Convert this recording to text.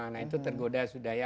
nah itu tergoda sudah ya